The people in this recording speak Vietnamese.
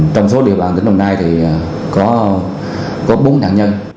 trong số địa bàn tỉnh đồng nai thì có bốn nạn nhân